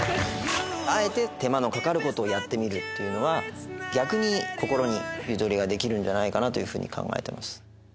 あえて手間のかかることをやってみるっていうのは逆に心にゆとりができるんじゃないかなというふうに考えてます。